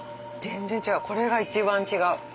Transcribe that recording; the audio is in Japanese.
全然違うこれが一番違う。